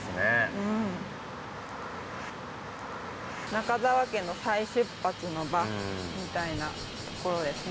中沢家の再出発の場みたいなところですね。